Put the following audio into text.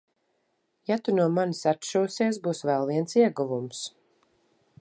Ja tu no manis atšūsies, būs vēl viens ieguvums.